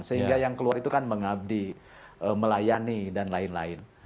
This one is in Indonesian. sehingga yang keluar itu kan mengabdi melayani dan lain lain